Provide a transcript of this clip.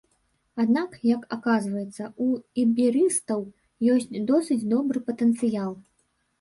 Аднак, як аказваецца, у іберыстаў ёсць досыць добры патэнцыял.